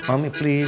oh gitu mi